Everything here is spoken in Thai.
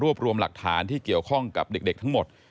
รวมรวมหลักฐานที่เกี่ยวข้องกับเด็กทั้งหมด